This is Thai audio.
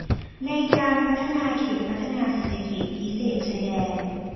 ในการพัฒนาเขตพัฒนาเศรษฐกิจพิเศษชายแดน